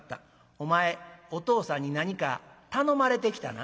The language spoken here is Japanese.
お前お父さんに何か頼まれて来たな」。